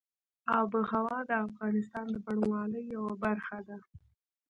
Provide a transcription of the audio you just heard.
آب وهوا د افغانستان د بڼوالۍ یوه برخه ده.